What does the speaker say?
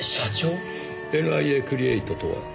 ＮＩＡクリエイトとは？